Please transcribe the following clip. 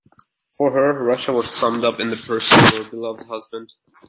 For her, Russia was summed up in the person of her beloved husband.